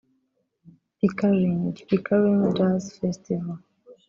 Pickering (pickering jazz festival)